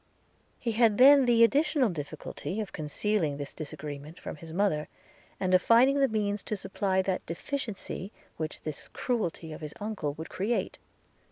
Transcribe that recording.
He had then the additional difficulty of concealing this disagreement from his mother, and of finding the means to supply that deficiency which this cruelty of his uncle would create.